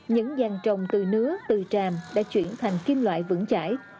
những dàn trồng từ nứa từ tràm đã chuyển thành kim loại vững chải